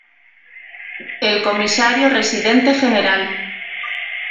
El Comisario Residente General.